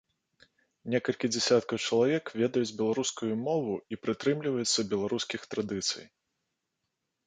Некалькі дзясяткаў чалавек ведаюць беларускую мову і прытрымліваюцца беларускіх традыцый.